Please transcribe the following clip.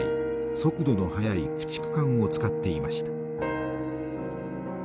速度の速い駆逐艦を使っていました。